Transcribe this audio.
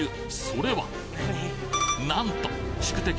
それはなんと宿敵